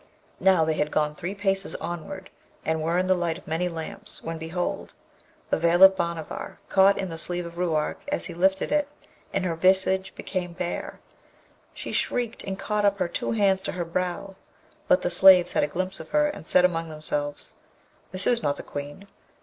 Now they had gone three paces onward, and were in the light of many lamps, when behold! the veil of Bhanavar caught in the sleeve of Ruark as he lifted it, and her visage became bare. She shrieked, and caught up her two hands to her brow, but the slaves had a glimpse of her, and said among themselves, 'This is not the Queen.'